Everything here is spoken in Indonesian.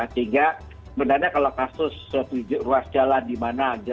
sehingga sebenarnya kalau kasus ruas jalan di mana saja